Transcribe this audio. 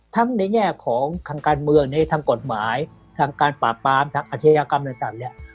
ในแง่ของทางการเมืองในทางกฎหมายทางการปราบปรามทางอาชญากรรมต่างเนี่ย